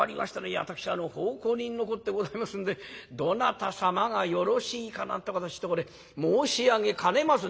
いえ私奉公人のこってございますんでどなた様がよろしいかなんてことちょっとこれ申し上げかねます」。